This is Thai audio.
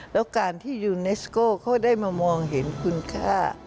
แล้วการที่ยูเนสโก้เขาได้มามองเห็นคุณค่า